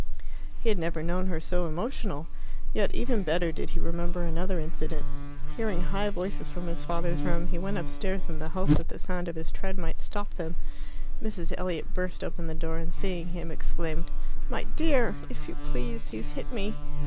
He had never known her so emotional. Yet even better did he remember another incident. Hearing high voices from his father's room, he went upstairs in the hope that the sound of his tread might stop them. Mrs. Elliot burst open the door, and seeing him, exclaimed, "My dear! If you please, he's hit me."